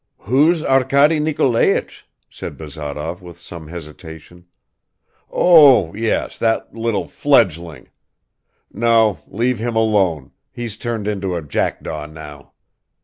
"Who's Arkady Nikolaich?" said Bazarov with some hesitation ... "Oh, yes, that little fledgeling! No, leave him alone, he's turned into a jackdaw now.